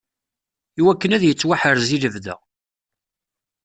Iwakken ad yettwaḥrez i lebda.